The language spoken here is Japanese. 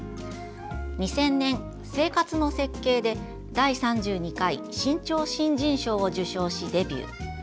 ２０００年、「生活の設計」で第３２回新潮新人賞を受賞しデビュー。